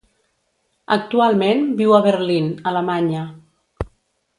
Actualment viu a Berlín, Alemanya.